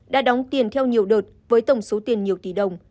đã đóng tiền theo nhiều đợt với tổng số tiền nhiều tỷ đồng